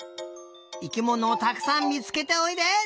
生きものをたくさんみつけておいで！